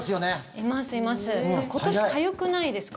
今年、かゆくないですか？